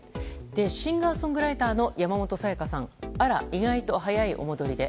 シンガーソングライターの山本彩さんあら、意外と早いお戻りで。